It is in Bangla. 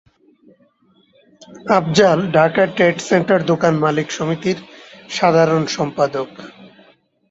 আফজাল ঢাকা ট্রেড সেন্টার দোকান মালিক সমিতির সাধারণ সম্পাদক।